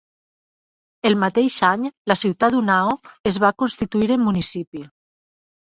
El mateix any, la ciutat d'Unnao es va constituir en municipi.